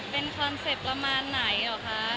เป็นคอนเซ็ปต์ประมาณไหนเหรอคะ